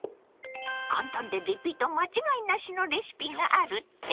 簡単でリピート間違いなしのレシピがあるって？